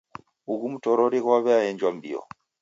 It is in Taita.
Ughu mtorori ghwaw'eenjwa mbio.